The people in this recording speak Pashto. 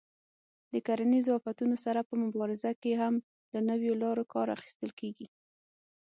د کرنیزو آفتونو سره په مبارزه کې هم له نویو لارو کار اخیستل کېږي.